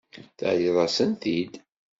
Terriḍ-asen-t-id.